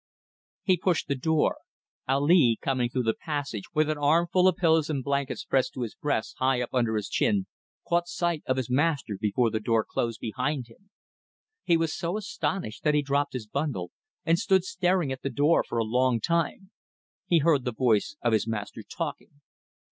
He pushed the door. Ali, coming through the passage with an armful of pillows and blankets pressed to his breast high up under his chin, caught sight of his master before the door closed behind him. He was so astonished that he dropped his bundle and stood staring at the door for a long time. He heard the voice of his master talking.